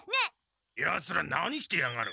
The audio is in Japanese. ヤツら何してやがる？